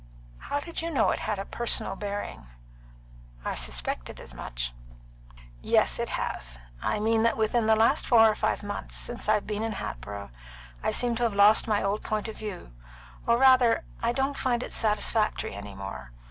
"How did you know it had a personal bearing?" "I suspected as much." "Yes, it has. I mean that within the last four or five months since I've been in Hatboro' I seem to have lost my old point of view; or, rather, I don't find it satisfactory any more.